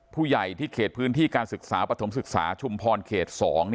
ผู้ใหญ่ที่เขตพื้นที่การศึกษาปฐมศึกษาชุมพรเขต๒